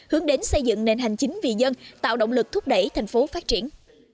hướng đến xây dựng nền hành chính vì dân tạo động lực thúc đẩy thành phố phát triển